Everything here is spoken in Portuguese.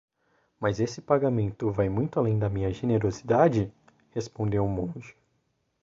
"Mas esse pagamento vai muito além da minha generosidade?", respondeu o monge.